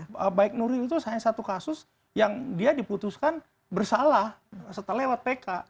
betul pak bu baik nurul itu hanya satu kasus yang dia diputuskan bersalah setelah lewat pk